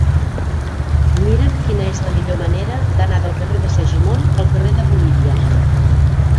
Mira'm quina és la millor manera d'anar del carrer de Segimon al carrer de Bolívia.